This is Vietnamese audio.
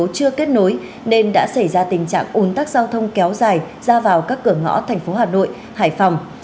các tỉnh thành phố chưa kết nối nên đã xảy ra tình trạng ồn tắc giao thông kéo dài ra vào các cửa ngõ tp hcm hải phòng